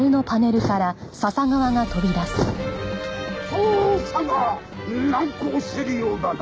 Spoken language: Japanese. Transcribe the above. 捜査が難航しているようだな。